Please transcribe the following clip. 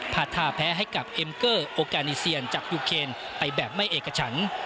พาทาแพ้ให้กับเอ็มเกอร์โอกานีเซียนจากยูเคนไปแบบไม่เอกฉัน